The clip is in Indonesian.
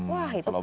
wah itu penting